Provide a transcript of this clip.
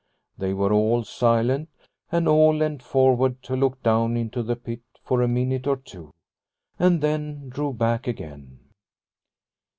They were all silent, and all leant forward to look down into the pit for a minute or two, and then drew back again.